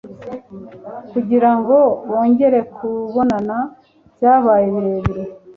kugirango bongere kubonana byabaye birebire